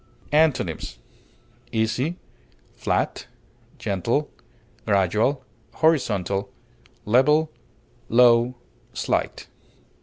Antonyms: easy, flat, gentle, gradual, horizontal, level, low, slight.